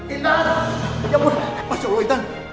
intan ya ampun masya allah intan